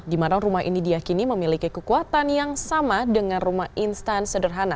di mana rumah ini diakini memiliki kekuatan yang sama dengan rumah instan sederhana